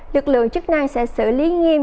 lực lượng chức năng sẽ xử lý nghiêm